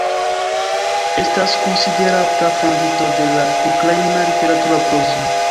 Estas konsiderata fondinto de la ukraina literatura prozo.